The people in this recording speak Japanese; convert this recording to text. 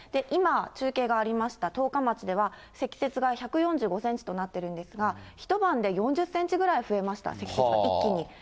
今、中継がありました十日町では、積雪が１４５センチとなっているんですが、一晩で４０センチくらい増えました、一気に。